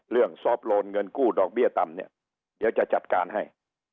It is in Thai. ซอฟต์โลนเงินกู้ดอกเบี้ยต่ำเนี่ยเดี๋ยวจะจัดการให้